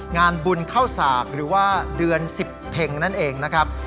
งานบุญเข้าสากหรือว่าเดือน๑๐เพ็งนั่นเองนะครับ